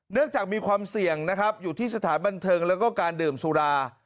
จากมีความเสี่ยงนะครับอยู่ที่สถานบันเทิงแล้วก็การดื่มสุรา